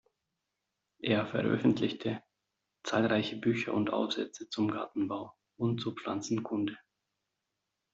Er veröffentlichte zahlreiche Bücher und Aufsätze zum Gartenbau und zur Pflanzenkunde.